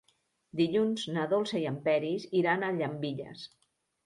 Dilluns na Dolça i en Peris iran a Llambilles.